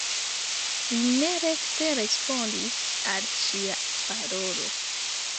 Li ne rekte respondis al ŝia parolo.